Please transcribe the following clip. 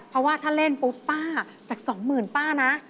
เพราะว่าถ้าเล่นปุ๊บป้าจากสองหมื่นป้านะ